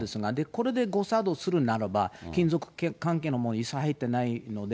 これで誤作動するならば、金属関係のもの、一切入ってないので。